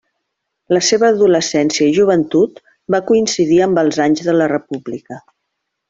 La seva adolescència i joventut va coincidir amb els anys de la República.